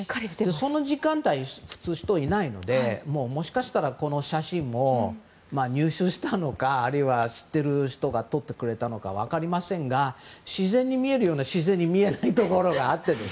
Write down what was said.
この時間帯は普通は人がいないのでもしかしたら、この写真は入手したのかあるいは、知っている人が撮ってくれたのか分かりませんが自然に見えるようで見えないようなところがあって。